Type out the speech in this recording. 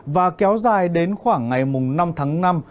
và kéo dài đến khoảng ngày năm tháng năm